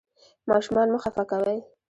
ماشومان مه خفه کوئ.